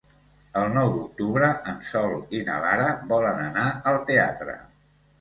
El nou d'octubre en Sol i na Lara volen anar al teatre.